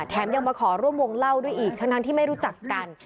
แถมยังมาขอร่วมวงเล่าด้วยอีกทั้งที่ไม่รู้จักกัน